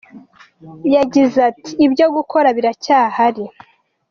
Yagize ati “ Ibyo gukora biracyahari.